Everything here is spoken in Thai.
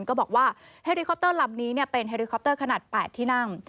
ก็บอกว่าเฮริคอปเตอร์ลำนี้เป็นเฮริคอปเตอร์ขนาด๘ที่นั่ง